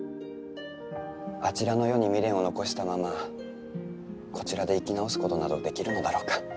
あちらの世に未練を残したままこちらで生き直すことなどできるのだろうか。